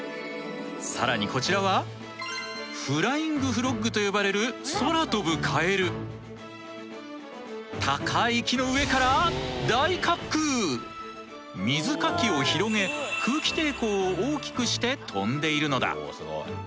更にこちらはフライング・フロッグと呼ばれる高い木の上から水かきを広げ空気抵抗を大きくして飛んでいるのだ。